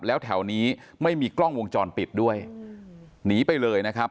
แล้วแถวนี้ไม่มีกล้องวงจรปิดด้วยหนีไปเลยนะครับ